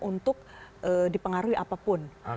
untuk dipengaruhi apapun